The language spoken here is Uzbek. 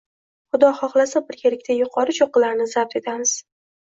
Xudo xohlasa birgalikda yuqori cho'qqilarni zabt etamiz.